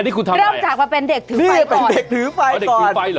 เริ่มจากว่าเป็นเด็กถือไฟก่อน